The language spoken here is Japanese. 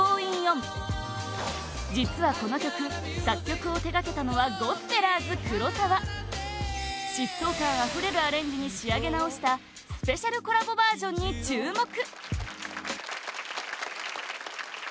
実はこの曲作曲を手掛けたのはゴスペラーズ黒沢疾走感あふれるアレンジに仕上げ直したスペシャルコラボバージョンに注目！